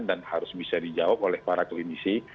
dan harus bisa dijawab oleh para klinisi